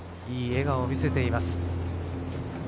いい笑顔を見せています。